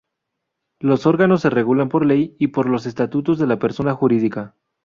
Los órganos se regulan por ley y por los estatutos de la persona jurídica.